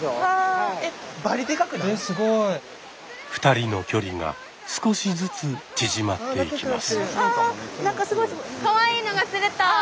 ２人の距離が少しずつ縮まっていきます。